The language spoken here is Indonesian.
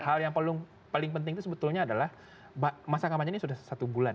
hal yang paling penting itu sebetulnya adalah masa kampanye ini sudah satu bulan